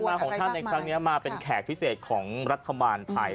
มาของท่านในครั้งนี้มาเป็นแขกพิเศษของรัฐบาลไทย